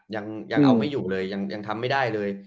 ยังเอาไม่อยู่เลยยังทำไม่ได้เลย